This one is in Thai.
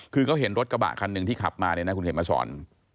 คือเค้าเห็นรถกระบะคันหนึ่งที่ขับมาคุณเขตมาสอน